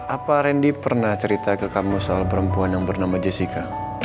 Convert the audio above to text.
apa randy pernah cerita ke kamu soal perempuan yang bernama jessica